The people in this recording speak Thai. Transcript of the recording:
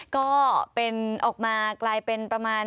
ก็เป็นออกมากลายเป็นประมาณ